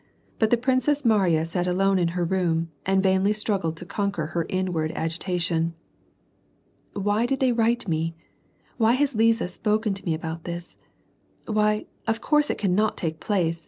But the princess Mariya sat alone in her room, and vainly struggled to conquer her inward agitation. " Why did they write me ? Why has Liza spoken to me about this ? ^Vhy, of course it cannot take place